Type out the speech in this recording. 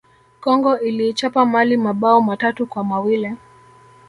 congo iliichapa Mali mabao matatu kwa mawili